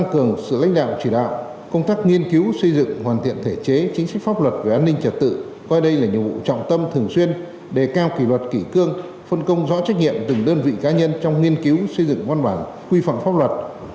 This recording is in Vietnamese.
coi đây là nhiệm vụ trọng tâm thường xuyên để cao kỷ luật kỷ cương phân công rõ trách nhiệm từng đơn vị cá nhân trong nghiên cứu xây dựng văn bản quy phạm pháp luật